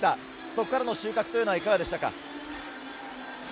そこからの収穫はいかがでしたか？